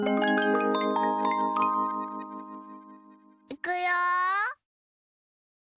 いくよ。